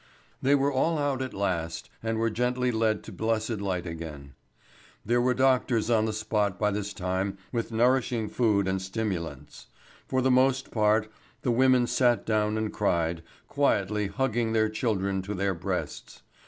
They were all out at last, and were gently led to blessed light again. There were doctors on the spot by this time with nourishing food and stimulants. For the most part, the women sat down and cried, quietly hugging their children to their breasts.